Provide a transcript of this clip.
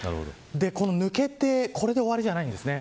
この、抜けてこれで終わりじゃないんですね。